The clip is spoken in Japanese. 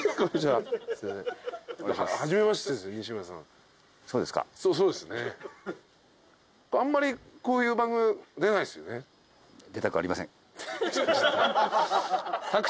あんまりこういう番組出ないっすよね。